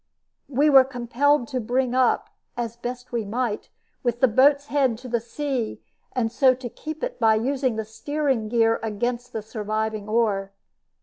We were compelled to bring up as best we might with the boat's head to the sea, and so to keep it by using the steering gear against the surviving oar.